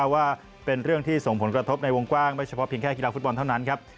ว่าเป็นเรื่องที่ส่งผลกระทบในวงกว้างไม่เฉพาะเพียงแค่กีฬาฟุตบอลเท่านั้นครับ